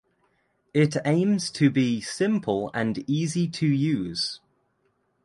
It aims to be simple and easy to use.